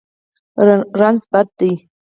رنځ بد دی.